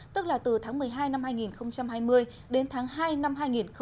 tức là từ tháng một mươi hai năm hai nghìn hai mươi đến tháng hai năm hai nghìn hai mươi